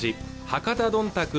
博多どんたく